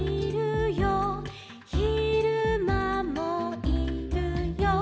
「ひるまもいるよ」